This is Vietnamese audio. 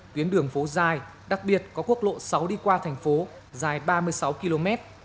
tuyến đường phố dài đặc biệt có quốc lộ sáu đi qua thành phố dài ba mươi sáu km